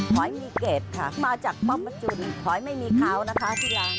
หอยมีเกร็บค่ะมาจากป๊อปประจุลหอยไม่มีเขานะคะที่ร้าน